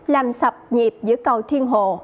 làm sập nhịp giữa cầu thiên hồ